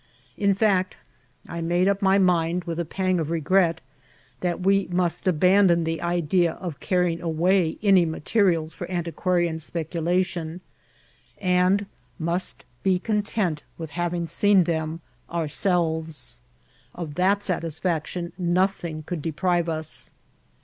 In feet, I made up my mind, with a pang of regret, that we must abandon the idea of carrying away any materials for antiquarian speculation, and must be content with having seen tiiem ourselves. Of that satisfection no thing could dqnrive us.